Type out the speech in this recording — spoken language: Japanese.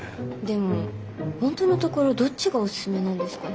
でも本当のところどっちがおすすめなんですかね？